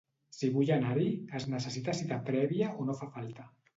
Si vull anar-hi es necessita cita prèvia o no fa falta?